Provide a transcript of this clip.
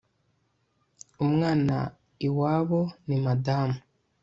umwana iwabo ni madamu